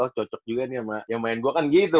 cocok juga nih sama yang main gue kan gitu